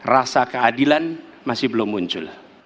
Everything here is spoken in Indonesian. rasa keadilan masih belum muncul